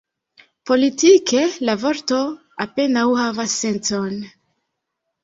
Politike, la vorto apenaŭ havas sencon.